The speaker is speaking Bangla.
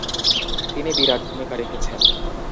তিনি বিরাট ভূমিকা রেখেছেন।